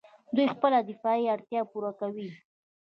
دوی خپله دفاعي اړتیا پوره کوي.